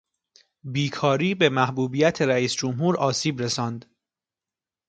بیکاری به محبوبیت رییسجمهور آسیب رساند.